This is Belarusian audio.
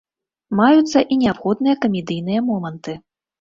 Маюцца і неабходныя камедыйныя моманты.